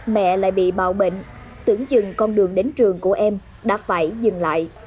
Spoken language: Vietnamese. mẹ lại bị bào bệnh tưởng chừng con đường đến trường của em đã phải dừng lại